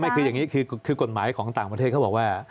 คืออย่างนี้คือกฎหมายของต่างประเทศเขาบอกว่า